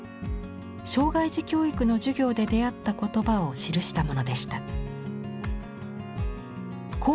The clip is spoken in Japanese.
障害児教育の授業で出会った言葉を記したものでした。